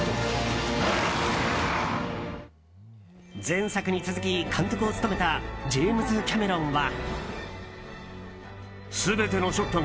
前作に続き監督を務めたジェームズ・キャメロンは。